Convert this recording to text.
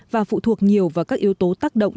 và phụ thuộc nhiều vào các yếu tố tác động